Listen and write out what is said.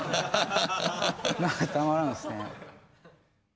たまらんですね。